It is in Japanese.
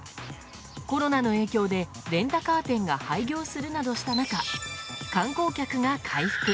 コロナの影響でレンタカー店が廃業するなどした中観光客が回復。